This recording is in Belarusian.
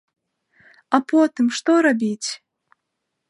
А потым што рабіць?